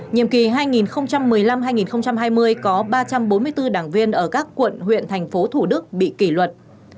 nhiệm kỳ hai nghìn một mươi năm hai nghìn hai mươi có ba trăm bốn mươi bốn đảng viên ở các quận huyện thành phố thủ đức bị kỷ luật